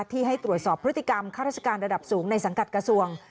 ที่ให้ตรวจสอบพฤติกรรมข้าราชการระดับสูงในสังกัดกระทรวง